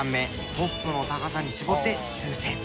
トップの高さに絞って修正。